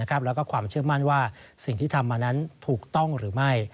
แล้วก็ความเชื่อมั่นว่าสิ่งที่ทำมานั้นถูกต้องหรือไม่